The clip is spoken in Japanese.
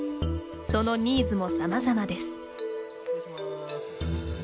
そのニーズもさまざまです。